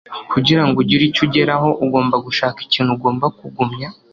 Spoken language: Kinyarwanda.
Kugira ngo ugire icyo ugeraho… Ugomba gushaka ikintu ugomba kugumya,